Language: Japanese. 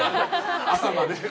朝まで。